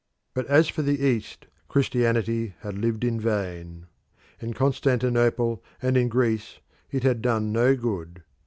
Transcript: But as for the East, Christianity had lived in vain. In Constantinople and in Greece it had done no good.